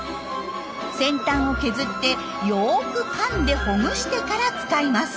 先端を削ってよくかんでほぐしてから使います。